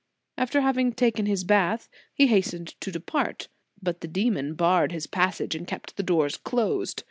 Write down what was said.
After having taken his bath he hastened to depart, but the demon barred his passage and kept the doors closed.